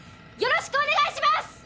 よろしくお願いします！